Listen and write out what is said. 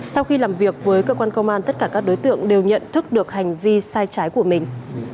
sau khi làm việc với cơ quan công an tất cả các đối tượng đều nhận thức được hành vi sai trái của mình